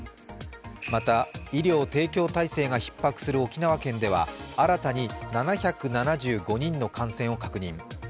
また、医療提供体制がひっ迫する沖縄県では新たに７７５人の感染を確認。